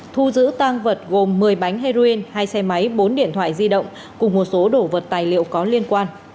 thu giữ tang vật gồm một mươi bánh heroin hai xe máy bốn điện thoại di động cùng một số đồ vật tài liệu có liên quan